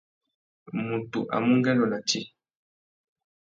Mutu a mú ungüêndô nà tsi.